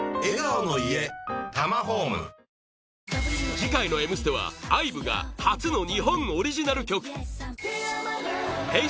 次回の「Ｍステ」はＩＶＥが初の日本オリジナル曲Ｈｅｙ！